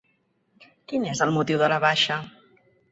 Quin és el motiu de la baixa?